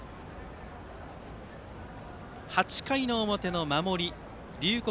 ８回表の守り、龍谷